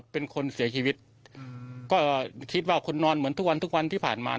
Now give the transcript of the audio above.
เป็นคนเสียชีวิตก็คิดว่าคนนอนเหมือนทุกวันทุกวันที่ผ่านมา